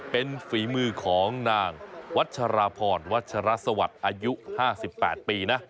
เป็นฝีมือของนางวัชราพรวัชรสวัสดิ์อายุ๕๘ปีนะ